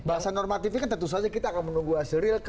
bahasa normatifnya kan tentu saja kita akan menunggu hasil real